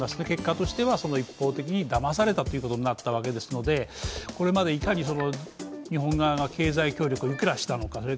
結果としては一方的にだまされたということになったのでこれまでいかに日本側が経済協力をいくらしたのか